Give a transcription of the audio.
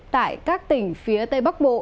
tại các tỉnh phía tây bắc bộ